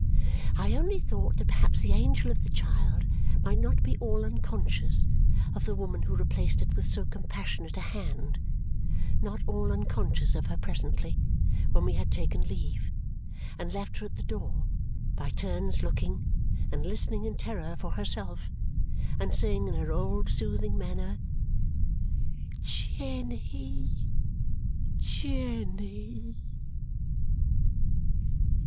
I only thought that perhaps the Angel of the child might not be all unconscious of the woman who replaced it with so compassionate a hand; not all unconscious of her presently, when we had taken leave, and left her at the door, by turns looking, and listening in terror for herself, and saying in her old soothing manner, "Jenny, Jenny!"